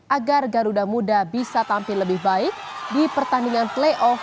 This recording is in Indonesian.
agar garuda muda bisa tampil lebih baik di pertandingan playoff